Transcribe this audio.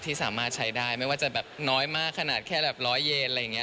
ที่สามารถใช้ได้ไม่ว่าจะแบบน้อยมากขนาดแค่แบบร้อยเยนอะไรอย่างนี้